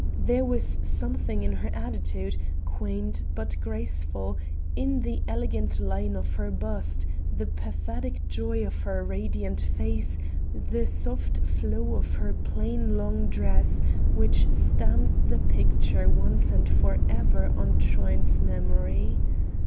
There was something in her attitude, quaint but graceful, in the elegant line of her bust, the pathetic joy of her radiant face, the soft flow of her plain long dress, which stamped the picture once and for ever on Truyn's memory.